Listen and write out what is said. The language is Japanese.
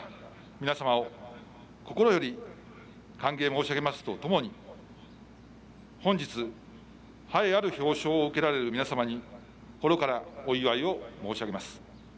皆様を心より歓迎申し上げますとともに本日、栄えある表彰を受けられる皆様に心からお祝いを申し上げます。